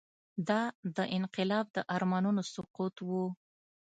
دا د انقلاب د ارمانونو سقوط و.